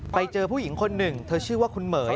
ไปเจอผู้หญิงคนหนึ่งเธอชื่อว่าคุณเหม๋ย